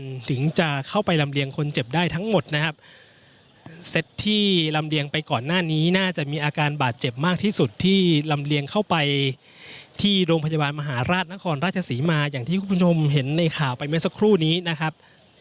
ถึงจะเข้าไปลำเลียงคนเจ็บได้ทั้งหมดนะครับเซ็ตที่ลำเลียงไปก่อนหน้านี้น่าจะมีอาการบาดเจ็บมากที่สุดที่ลำเลียงเข้าไปที่โรงพยาบาลมหาราชนครราชศรีมาอย่างที่คุณผู้ชมเห็นในข่าวไปเมื่อสักครู่นี้นะครับ